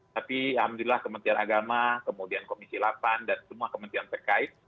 tapi alhamdulillah kementerian agama kemudian komisi delapan dan semua kementerian terkait